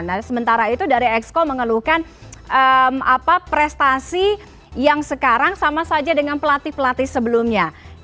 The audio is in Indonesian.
nah sementara itu dari exco mengeluhkan prestasi yang sekarang sama saja dengan pelatih pelatih sebelumnya